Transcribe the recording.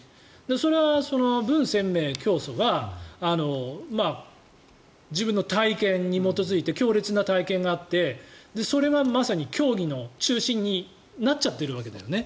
それはブン・センメイ教祖が自分の体験に基づいて強烈な体験があってそれがまさに教義の中心になっちゃっているわけだよね。